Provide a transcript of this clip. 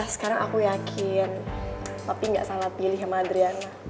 sekarang aku yakin papi gak salah pilih sama adriana